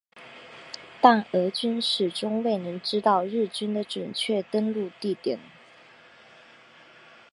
但俄军始终未能知道日军的准确登陆地点。